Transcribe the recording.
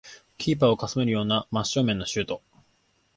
キーパーをかすめるような真正面のシュート